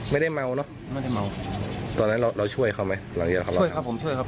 ไม่ได้เมาเนอะไม่ได้เมาตอนนั้นเราเราช่วยเขาไหมหลังจากเราช่วยครับผมช่วยครับ